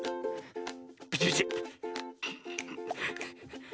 ビチビチ。